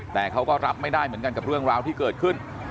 แต่เขาก็รับไม่ได้เหมือนกันกับเรื่องราวที่เกิดขึ้น